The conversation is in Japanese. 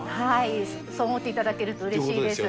そう思っていただけるとうれしいです。